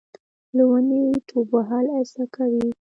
له ونې ټوپ وهل زده کوي .